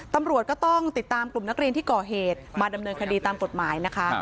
ตำรวจก็ต้องติดตามกลุ่มนักเรียนที่ก่อเหตุมาดำเนินคดีตามกฎหมายนะคะ